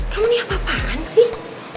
kamu nih apa apaan sih